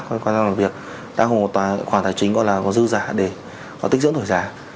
qua những năm làm việc đã có một khoản tài chính gọi là dư giả để tích dưỡng tuổi giả